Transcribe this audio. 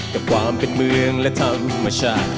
กับความเป็นเมืองและทางธรรมชาติ